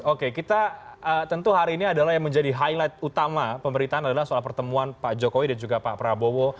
oke kita tentu hari ini adalah yang menjadi highlight utama pemberitaan adalah soal pertemuan pak jokowi dan juga pak prabowo